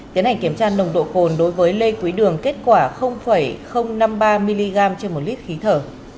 tiến hành kiểm tra nồng độ cồn đối với lê quý đường kết quả năm mươi ba mg trên một lít khí thở